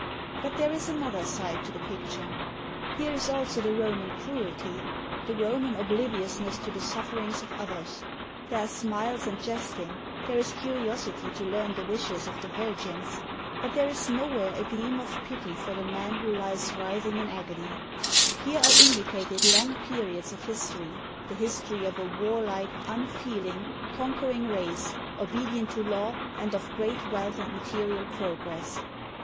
But there is another side to the picture. Here is also the Roman cruelty, the Roman oblivious ness to the sufferings of others. There are smiles and jesting, there is curiosity to learn the wishes of the Virgins; but there is nowhere a gleam of pity for the man who lies writhing in agony. Here are indicated long periods of history, the history of a warlike, unfeeling, conquering race, obedient to law, and of great wealth and material progress.